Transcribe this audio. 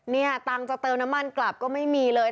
เนี่ยตังค์จะเติมน้ำมันกลับก็ไม่มีเลย